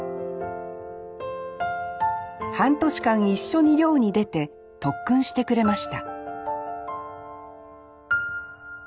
半年間一緒に漁に出て特訓してくれました